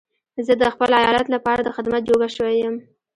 زه د خپل ايالت لپاره د خدمت جوګه شوی يم.